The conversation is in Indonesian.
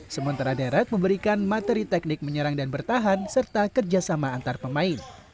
sementara deret memberikan materi teknik menyerang dan bertahan serta kerjasama antar pemain